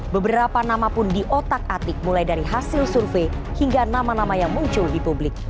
beberapa nama pun di otak atik mulai dari hasil survei hingga nama nama yang muncul di publik